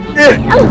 nah bener bener ya